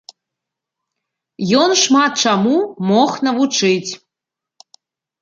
Ён шмат чаму мог навучыць.